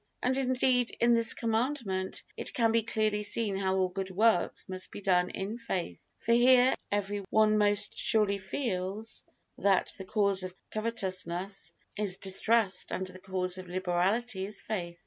And, indeed, in this Commandment it can be clearly seen how all good works must be done in faith; for here every one most surely feels that the cause of covetousness is distrust and the cause of liberality is faith.